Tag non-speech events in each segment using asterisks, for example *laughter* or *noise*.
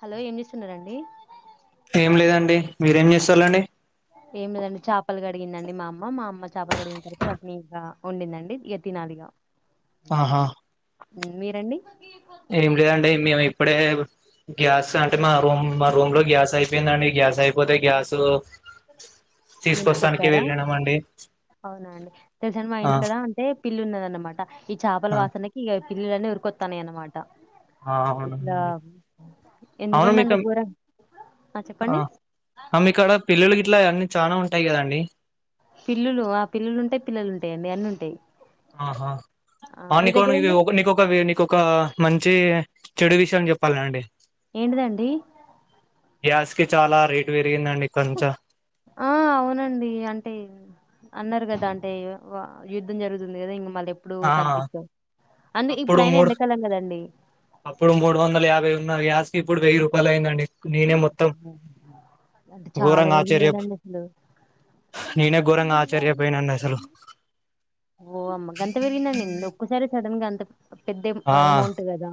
Hello ఏం చేస్తున్నరండి టె మీరేం చేస్తాలండి ఏం లేదండి చాపలు కడిగిందండి మా అమ్మ మా అమ్మ చేపలు కడిగిన తర్వాత వాటిని వండిందండి యతినాలిగా ఆహా మీరండి ఏం లేదండి మేమ ఇప్పుడే గ్యాస్ అంటే మా రూమ్ మా రూమ్ లో గ్యాస్ అయిపోయిందండి గ్యాస్ అయిపోతే గ్యాసు నింపుకొచ్చారా వెళ్ళినామండి అవునా అండి తెలుసాండి మా ఆ ఇంటికడ అంటే పిల్లి ఉన్నదన్నమాట ఈ చేపల ఆ వాసనకి ఇగ పిల్లులన్నీ ఉరుకొత్తన్నాయనమాట ట ఆ ఇట్లా అవునండి అవును ఎందుకండి అంత మీకు దూరం చెప్పండి పిల్లలు గిట్ల అవన్నీ చానా ఉంటాయి కదండి పిల్లులు ఆ పిల్లులు ఉంటాయి పిల్లలుంటాయి అండి అన్నుంటాయి ఆహా ఆ నీకో దగ్గరండి నీకొక నీకొక మన్ చీర్ చెడు విషయం చెప్పాల అండి ఏంటిదండి గ్యాస్కి చాలా రేట్ పెర్ ఆ అవునండి అంటే అన్నారు కద్ దంటే ఇగ వ యుద్ధం జరుగుతుంది కదా ఇంక మళ్ ఎప్పుడు ఆ తగ్గిద్దా అప్పుడు మూడు అప్పుడు మూడు వందల యాభై ఉన్న గ్యాస్కి ఇప్పుడు వెయ్యి రూపాయలయిందండి అంటే చాలా ఘోరంగా పెరిగింది ఆశ్చర్య కదండి అసలు నేనే ఘోరంగా ఆశ్చర్యపోయినండి అసలు ఓ అమ్మగంతా పెరిగిందండి ఒక్కసారి సడెన్గా అంత పెద్ద ఆ అమౌంట్ కదా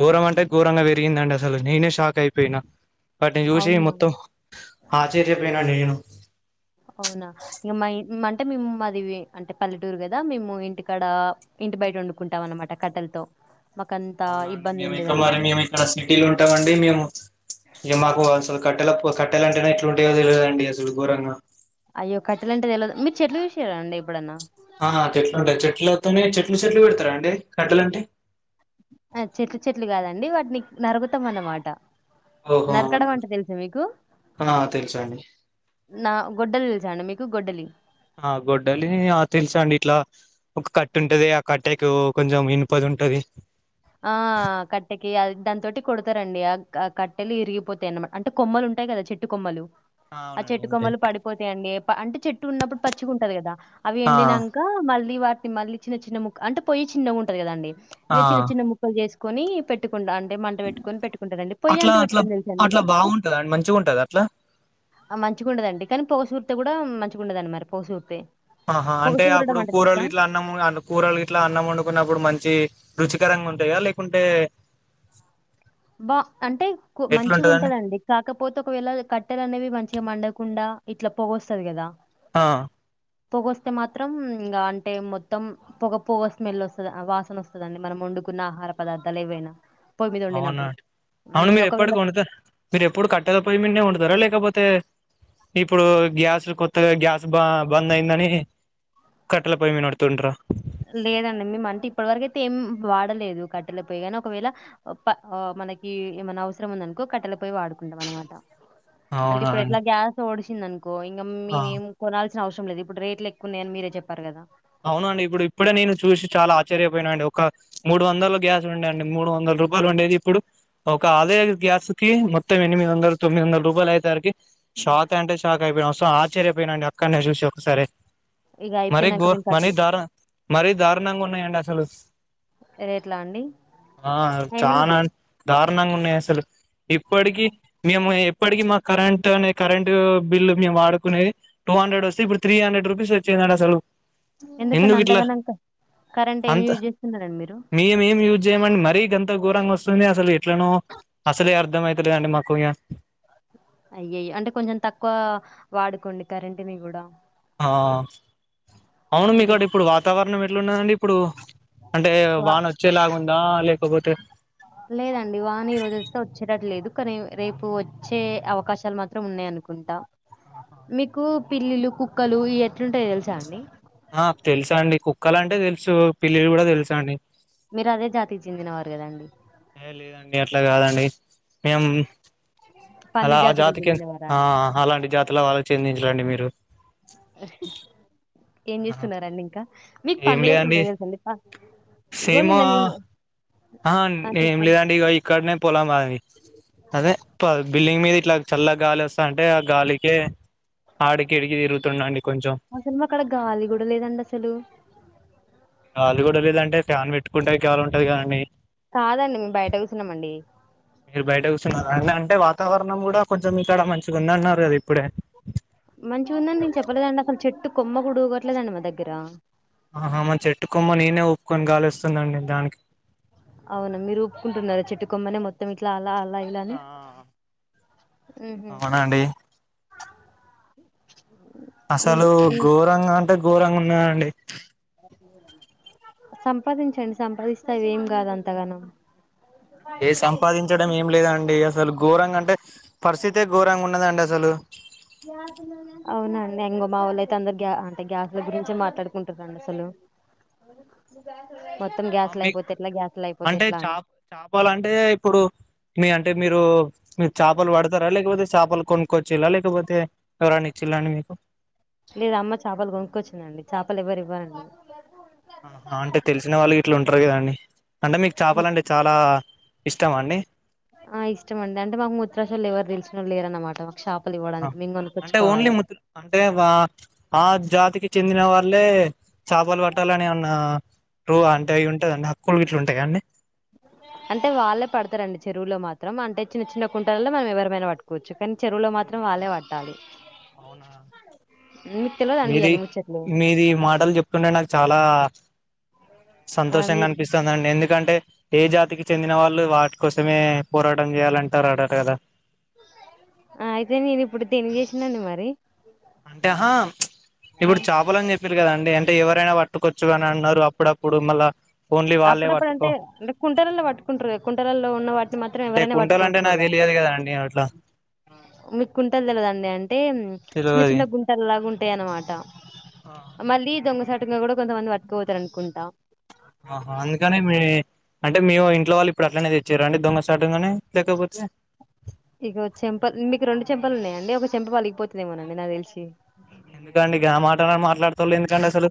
ఘోరం అంటే ఘోరంగా విరిగిందండి నేనే షాక్ అయిపోయినా వాటిని చూసి అవునా మొత్తం ఆశ్చర్యపోయినా నేను అవునా ఇంక మా అంటే మేము మాది అంటే పల్లెటూరు కదా మేము ఇంటికాడ ఇంటి బయట వండుకుంటాం అనమాట కట్టెలతో మాకంత అవునండి ఇబ్బంది ఏం మేము ఇక్క మరి లేదన్నమాట మేము ఇక్కడ సిటీలు ఉంటామండి మేము ఇ మాకు అల్ కట్టెల కట్టెలు అంటేనే ఎట్లు ఉంటేయో తెలిదండి అసలు ఘోరంగా అయ్యో కట్టల అంటేది తెలదు మీరు చెట్లు చూసిరండి ఎప్పుడన్నా ఆ చెట్లు ఉంటాయి చెట్లతోనే చెట్లు చెట్లు పెడతారా అండి కట్టలు అంటే ఆ చెట్లు చెట్లు కాదండి వాటిని నరకుతం అన్నమాట ఓహో అవు నరకడం అంటే తెలుసా మీకు ఆ తెలుసండి నా గొడ్డలి తెలుసా అండి మీకు గొడ్డలి ఆ గొడ్డలి ఆ తెలుసండి ఇట్లా ఒక కట్ట ఉంటది ఆ కట్టకు కొంచెం ఇనుపది ఉంటది ఆ కట్టెకి అ దాంతోటి కొడతారండి ఆ ఆ కట్టెలు ఇరిగిపోతాయి అన్నమాట అంటే కొమ్మలు ఉంటాయి కదా చెట్టు కొమ్మలు ఆ అవునండి ఉంటాయి చెట్టుకొమ్మలు పడిపోతాయండి అంటే చెట్టు ఉన్నప్పుడు పచ్చిగా ఉంటది కదా అవి ఆ ఎండినంక మళ్ళీ లి వాటిని మళ్ళీ చిన్న చిన్న ముక్ అంటే పోయి చిన్న ఉంటది కదండి ఆ జేసుకొని పెట్టు కుండా అంటే మంట పెట్టుకొని పెట్టుకుంటరండి పొయ్య అట్లా అంట అట్లా పెట్టడం తెలుసా అట్లా మీకు బాగుంటదా అండి మంచిగా ఉంటదా అట్లా ఆ మంచిగా ఉంటదండి కానీ పోసూర్త కూడా మంచిగుండదండి మరి పోసూర్తె ఆహా అంటే అప్పుడు కూరలు గిట్లా అన్నం కూరలు ఇట్లా అన్నం వండుకున్నప్పుడు మంచి రుచికరంగా ఉంటాయ లేకుంటే బా అంటే మంచిగా ఎట్లుంటదండి ఉంటదండి కాకపోతే ఒకవేళ కట్టెలు అనేవి మంచిగా మండకుండా ఇట్లా పోగొస్తది కదా ఆ పొగ వస్తే మాత్రం ఇంకా అంటే మొత్తం పొగ పొగ స్మెల్ వస్తది ఆ వాసన వస్తదండి మనం వండుకున్న ఆహార పదార్థాలు ఏవైనా పోయిమిద ఆ ఒండినపుడు అవును మీరు ఎప్పటికి వండుతర మీరు ఎప్పుడు కట్టలపోయి మీనే వండుతరా లే లేకపోతే ఇప్పుడు గ్యాస్ కొత్తగా గ్యాస్ బా బంద్ అయిందని కట్టెల పోయిమీద వండుతుండ్ర లేదండి మేము అంటే ఇప్పటి వరకయితే ఏం వాడలేదు కట్టెల పోయి కని ఒకవేళ ప మనకి ఏమైనా అవసరం ఉందనుకో కట్టెల పోయి వాడుకుంటం అనమాట అవునా అంటిప్పుడు అండి ఎట్లా గ్యాసోడషి చిందనుకో కొ ఇంగ ఆ మేమేం కొనల్సి అవసం లేదు ఇడు రేట్లూ ఎక్కువున్నాయని మీరె చెప్పారు కదా అవునండి ఇప్పుడు ఇప్పుడే నేను చూసి చాలా ఆర్చర్యపోయినా అండి ఒక మూడు వందలు గ్యాస్ ఉండే అండి మూడు వందల రూపాయలు ఉండేది ఇప్పుడు ఒక అదే గ్యాస్ కి మొత్తం ఎనిమిది వందలు తొమ్మిది వందల రూపాలు అయేసరికి షాక్ అంటే షాక్ అయిపోయ్ అస్ సొ ఆశ్చర్యపోయినండి అక్కడనే చూసి ఒకసారి ఇగ మరీ అయిపెయినంకా గో *unintelligible* మరీ దారుణ మరీ దారుణంగా ఉన్నాయండి అసలు రేట్లా అండి *unintelligible* ఆ ఎన్- చానా దారుణంగా ఉన్నాయి అసలు ఇప్పటికి మేము ఎ ఇప్పటికి మా కరెంట్ నే కరెంట్ బిల్లు మేము వాడుకునేది టూ హండ్రెడ్ వస్తే ఇప్పుడు త్రీ హండ్రెడ్ రూపీస్ వచ్చిందండి అసలు ఎందుకండి ఎందుకు ఇట్లా అంతగానంక కరెంట్ ఏమ్ అంత యూజ్ చేస్తున్నారండి మీరు రీగంత ఘోరంగా అస్తుంది అసలు ఎట్లనో అసలే అర్దం అయితలేదండి మాకు ఇంగ అయ్యయ్యో అంటే కొంచెం తక్కువ వాడుకోండి కరెంటిని కూడా ఆ అవును అంటే మీకాడ ఇప్పుడు వాతావరణం ఎట్లున్నదండి ఇప్పుడు అంటే వ వాన ఒచ్చేలాగా వు దా లేకపోతే లేదండి వాన ఈ రోజు అయితే ఒచ్చేటట్లు లేదు కానీ రేపు వచ్చే అవకాశాలు మాత్రం ఉన్నాయ్ అనుకుంటా ఆహా మికూ అవును. పిల్లిలు కుక్కలు ఇయ్ ఎట్లుంటాయొ తెలుసా అండి ఆ తెలుసాండి కుక్కలు అంటె తెలుసు పిల్లిలు కూడా తెలుసు అండి మీర్ అదే జాతికి చెందినవారు కదా అండి ఏ లేదండి అట్ల గాదండి మేమ్ పంది అలా ఆ జాతులకు జాతికి చెందినవారా ఆ అండి? అలాంటి జాతుల వాళ్ళక్ చెందిడ్రు అండి మీరు ఏం ఆ చేస్తున్నారండి ఇంకా మీకు ఏం లేదండి పందులెట్లుంటయో తెలుస అండి ప ఇగో నిన్న మేము అహ ఆ! ఏం చెప్పండి. లేదండి ఇగో ఇక్కడనే పొలాం మాది అదే బిల్డింగ్ మీద ఇట్లా చల్ల గాలి వస్తాంటే ఆ గాలికే ఆడికీఈడికి తిరుగుతున్నా అండి అసల్ మాక్కాడ గాలి గూడ లేదండి అసలూ గాలిగూడ లేదంటే ఫ్యాన్ పెట్ట్ కాదండి మెమ్ బయట కుసున్నాం అండి మీర్ బయటకుసున్నరా నన్ని అంటే వాతావరణం గూడా కొంచెం ఇక్కడ మంచిగా ఉందన్నారు గదా ఇప్పుడే మంచిగుంది అని నేన్ చెప్పలేదండి అసల్ చెట్ట్ కొమ్మ గుడు ఉగట్లేదండి మా దగ్గర ఆహా మ చెట్టుకొమ్మ నేనే ఉప్ అవున మీరు ఊప్పుకుంటున్నారా చెట్టుకొమ్మనే మొత్తం ఇట్లా అలా అలా ఇలా అని ఉహ్ అవునండి అసలు ఉమ్, గోరంగ అం ఘోరంగ ఉన్నాదండి. సంపాదించండి సంపాదిస్తా అవి ఏం గాదు అంతగానం ఏ సంపాదించడం ఏం లేదండి అసలు ఘోరంగా అంటే పరిస్థితే ఘోరంగా ఉన్న దండి అసలు అవునండి ఇంగో మా వొళ్ళు అయితే అందరు గ్యా అంటే గ్యాస్ ల గురించి మాట్లాడుకుంటారుండి అసలు మొత్తం ఆ గ్యాస్లు మీకు అయిపోతే ఎట్లా గ్యాస్లు అయిపోతే అంటే ఎట్లా అని చప చపాలంటే ఇప్పుడు మీ అంటే మీరు మీరు చేపలు పడతారా లేకపోతే చేపలు కొనుక్కొచ్చిల్ల లేకపోతే ఎవరన్న ఇచ్చిళ్ళ అండి మీకు లేదా అమ్మ చేపలు కొనుక్కొచ్చిందాండి చేపలు ఎవ్వరు ఇవ్వరండి. ఇట్లు ఉంటారు. కదండి అంటే మీకు మాకు చేపలాంటె చాలా ఇష్టమా అండి. ఆ ఇష్టమండి. అంటే మాకు ముూత్రాశల్లు ఎవరు తెలిసినోళ్ళు లేరన్నమాట మాకు చే ఆ అంటే ఓన్లీ ముదు అంటే వా ఆ జాతికి చెందిన వాళ్ళ చేపలు పట్టాలని ఎమన్న రూ అంటే ఐటుంద అండి. కుంటా గిట్ల ఉంటాయా గా అండి అంటే వాళ్ళే పడతారండి. చెరువులో మాత్రం అంటే చిన్న చిన్న కుంటలల్లో మనం ఎవరమైనా పట్టుకోవచ్చు. కానీ చెరువులో మాత్రం ఓహో వాళ్ళే పట్టాలి అవునా తెలవదండి మీది ఇయన్ని ముచ్చట్లు మీది ఇ మాటలు చెప్తుంటే నాకు చాలా ఆ ఆ మీ సంతోషంగా అనిపిస్తంది అండి ఎందు దుకంటే ఏ జాతికి చెందిన వాళ్ళు వాటి కోసమే పోరాటం చేయాలంటారు అంట గాదా ఆ అయితే నేను ఇప్పుడు తిని చేసినాండి మరి అంటే ఆహా ఇప్పుడు చాపలని చెప్పిరు. కదాం అంటె ఎవరైనా వాట్ ట్టుకొచ్చుగాని అని అన్నారు అప్పుడప్పు ఇప్పుడు మళ్ళ అప్పుడప్పుడు అంటే అంటే కుంటల్లో పట్టుకుంటారు కుంటల్లో ఉన్నవాట్ మాత్రం అంటే ఎవరైనా కుంటలు అంటే పట్టుకోవచ్చు నాకు కదా తెలియదు కదండి అట్లా మీకు కుంటలు తెలిదండి అంటే చిన్న తెలవది చిన్న గుంటల లాగా తే అనమాట ఆ మళ్లీ దోంగ సర్ట్ కూడా కొంతమంది పట్కపోతారు అనుకుంటా ఆహా అందుకనే మీ అంటే మేము ఇంట్లో వాళ్ళు ఇప్పుడు అట్లనే తెచ్చిర అండి దొంగ సాటుంగానే లేకపోతే ఇక చెంప మీకు రెండు చెంపలు ఉన్నాయంండి ఒక చెంప పలిగిపోతుదేమోనండి నా తెలిసి ఎందుకండి ఇక మాటని మాట్లాడతళ్ళు ఎందుకండి అసలు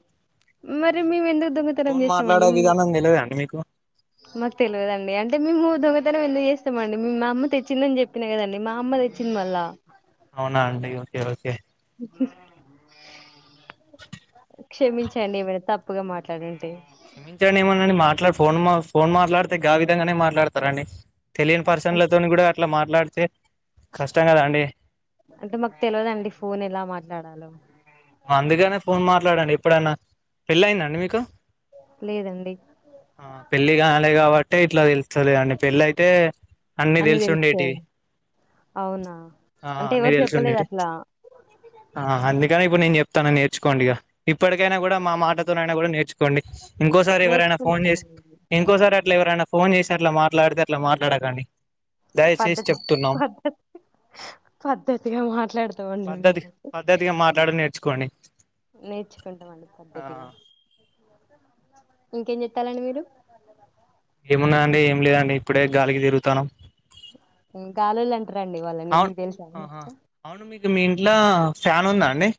మరి మేము ఎందుకు దొంగతనం ఫోన్ చేస్తామండి మాట్లాడే విధానం తెలవదా అండి మీకు మాకు తెలివదండి అంటే మేము దొంగతనం ఎందుకు చేస్తా ఎమండి మీ మా అమ్మ తెచ్చిందని చెప్పినా కాదండి మా అమ్మ తెచ్చింది మళ్ళా అవునా అండి ఓకే ఓకే క్షమించండి ఏమైనా తప్పుగా మాట్లాడింటే క్షమించండి ఏమనండి మాట్లాడ్ ఫోన్ మా ఫోన్ మాట్లాడితే గా విధంగానే మాట్లాడతారండి తెలియని పర్శన్లతోను కూడా అట్లా మాట్లాడితే కష్టం కదండి అంటే మాకు తెలియదండి ఫోన్ ఎలా మాట్లాడాలో అందుకనే ఫోన్ మాట్లాడండి ఎప్పుడన్నా పెళ్లి అయిందండి మీకు లేదండి ఆ పెళ్లి కాలే కాబట్టే ఇట్లా తెలుస్తా లేదండి పెళ్లి అయితే అన్ని తెలుసుండేటివి అవునా ఆ అంటే అన్ని ఎవరు చెప్పలేదు తెలుసుండేటి అట్లా ఆ అందుకనే నేను చెప్తాను నేర్చుకోండి ఇగా ఇప్పటికైనా కూడా మా మాటతోనైనా కూడా నేర్చుకోండి ఇంకోసారి ఎవరైనా ఫోన్ చేసి నేర్చుకుంటామండి ఇంకోసారి అట్లా ఎవరైనా ఫోన్ చేసి అట్లా మాట్లాడితే అట్లా మాట్లాడకండి దయచేసి పద్ధతి చెప్తున్నాం పద్ధతి పద్ధతిగా మాట్లాడుతాం ఉండి మేము ఎల్లా *unintelligible* డ నేర్చుకోండి నేర్చుకుంటాం అండి ఆ పద్ధతిగా ఇంకేం చెప్పాలండి మీరు ఏమున్నాయండి ఏం లేదండి ఇప్పుడే గాలికి తిరుగుతాన్నం గాలోల్లం అవును ఆహా అవును మీకు మీ ఇంట్లో ఫ్యాన్ ఉందా అండి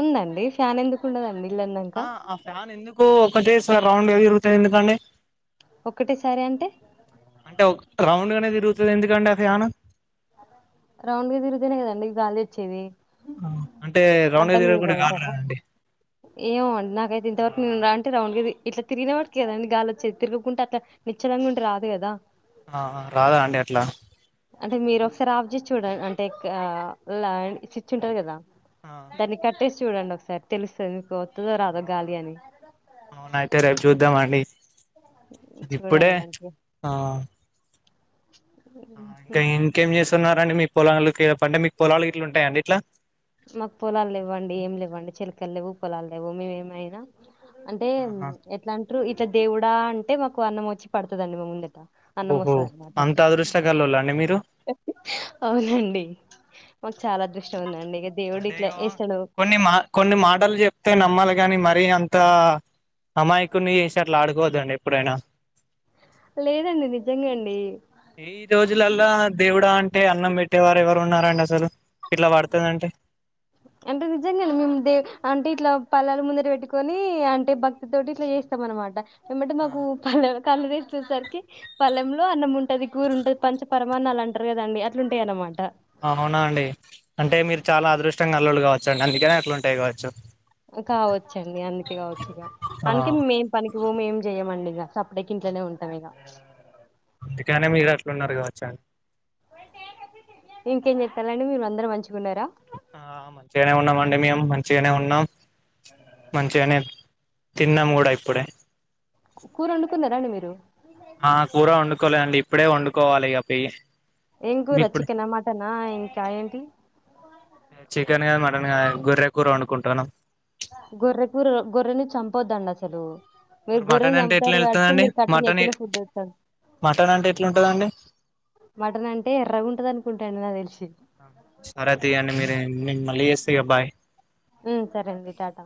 ఉందండి ఫ్యాన్ ఎందుకు ఉండదండి ఇల్లు ఆ అన్నాక ఆ ఫ్యాన్ ఎందుకు ఒకటేస్ ఇట్లా రౌండ్ గా తిరుగుతాది ఎందుకండీ ఒకటే సారి అంటే అంటే రౌండ్ గానే తిరుగుతాది ఎందుకండి ఆ ఫ్యాను రౌండ్గా తిరుగుతునే కదండి గాలి వచ్చేది అంటే రౌండ్ గా అడ్డంగా తిరగకుండా గాలి పీకమంటారా రాదండి ఏమోండి నాకైతే ఇంతవరకు ఉంద రండ్ కది ఇట్లా తిరిగినట్టికి కదాండి గాలి వచ్చేది. తిరుగకుంటే అట్లా నిశ్చనంగా ఉంటే రాదు కదా. ఆ రాదా అండి అట్లా అంటే మీరు ఒకసారి ఆఫ్ చేసి చూడన్ అంటే క ల చిచ్చి ఉంటరు కదా ఆ ధని కట్టేసి చూడండి ఒకసారి తెలుస్తది మీకు వత్తదో రాదో గాలి అని అవునయితే రేపు చూద్దామ అండి ఇప్పుడే చూడండి మంచిగా ఆ ఆ ఇంకా ఇంకేం చేస్తున్నారు అండి మీ పొలాలకి అంటే మీ పొలాలు గిట్ల ఉంటాయండి ఇట్లా మాకు పొలాలెవ్వండి ఏమి లేవండి చిలికలు లేవు పొలాలు లేవు మేమేమైనా అంటే ఆహా ఎట్లాంటి ఇట్లా దేవుడ అంటే మాకు అన్నం వచ్చి పడుతుదండి మా ముంగట అన్నం ఓహో వస్తద అన్నమాట అంత అదృష్టగాళ్ళోళ్ళ అండి మీరు అవునండి మాక్ చాలా అదృష్టం ఉందండి దేవుడు ఇట్లా అంటేగో వేస్తాడు కొన్ని మా కొన్ని మాటలు చెప్తే నమ్మాలి కాని మరి అంత అమాయికున్ని చేసి అట్లా ఆడుకోద్దండి ఎప్పుడైనా లేదండి నిజంగా అండి ఈ రోజులల్లా అండి అసలు ఇట్లా పడుతాదంటే అంటే నిజంగా మేము దే అంటే, ఇట్లా పల్లాలు ముందర పెట్టుకొని, అంటే భక్తితోటి ఇట్లా చేస్తాం అనమాట. ఎమ్మట మాకు పలేద్ కళ్ళు తీసేసరికి పళ్లెంలో అన్నం ఉంటది. కూర ఉంటది. పంచ పరమాన్నలు అంటారు కదండి. అట్లుంటాయి అన్నమాట. అవునా అండి అంటే మీరు చాలా అదృష్ ఇష్టంగా అల్లుల్లు కావచ్చు అండి. అందుకే అట్లుంటాయి కావచ్చు. కావచ్చండి అందుకే కావచ్చు ఇగ ఆ అందుకే మేం పనికి పోము ఏం చెయ్యమండి ఇగ సప్పుడ్ కి ఇంట్లోనే ఉంటాం ఇగ అందుకనే మీరు అట్లున్నారు కావచ్చు అన్ ఇంకేం చెతాలండి మీరు అందరు మంచిగున్నారా ఆ మంచిగానే ఉన్నాం అండి మేము మంచిగనే ఉన్నాం. మంచిగనే తిన్నాము కూడా ఇప్పుడే కూర వండుకున్నారండి మీరు ఆ కూర వండుకోలే అండి ఇప్పుడే వండుకోవాలి ఇగ పెయి ఎంకూరా చికెన మటనా ఇంకా ఏంటి ట్టన్నగాని గొర్రె కూర వండుకుంటారా గొర్రె కుర గొర్రెని చంపొద్దండి అసలు మీరు మరి గుర్రం మటన్ అంటే ఎట్లా చంపుతారు కాబట్టి వెళ్తుందండి మీరు మటన్ కట్టనెత్తిన ఫుడ్ వస్తంది మటన్ అంటే ఎట్లా ఉంటదండి మటన్ అంటే ఎర్ర ఉంటదనుకుంటనండి నా తెలిసి నేన్ మళ్ళీ యేస్త ఇగ బాయ్ ఊ సరే అండి టాటా